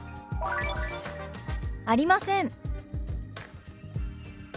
「ありません」。